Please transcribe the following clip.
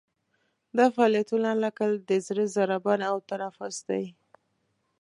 دا فعالیتونه لکه د زړه ضربان او تنفس دي.